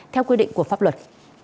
theo quy định của pháp luật